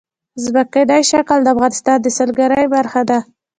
ځمکنی شکل د افغانستان د سیلګرۍ برخه ده.